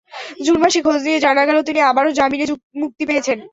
June মাসে খোঁজ নিয়ে জানা গেল, তিনি আবারও জামিনে মুক্তি পেয়েছেন।